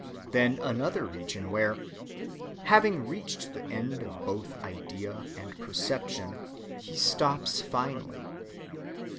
Then another region where, "having reached the end of both idea and perception, he stops finally."